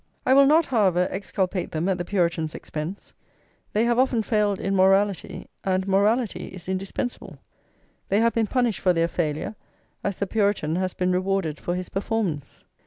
I will not, however, exculpate them at the Puritan's expense; they have often failed in morality, and morality is indispensable; they have been punished for their failure, as the Puritan has been rewarded for his performance.